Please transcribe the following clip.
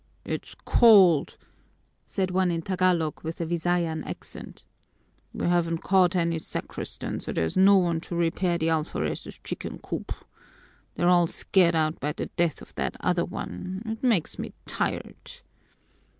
"It's cold!" said one in Tagalog with a Visayan accent. "We haven't caught any sacristan, so there is no one to repair the alferez's chicken coop. They're all scared out by the death of that other one. This makes me tired."